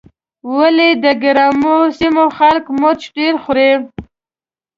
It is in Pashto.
ولې د ګرمو سیمو خلک مرچ ډېر خوري.